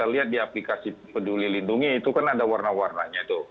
lihat di aplikasi peduli lindungi itu kan ada warna warnanya tuh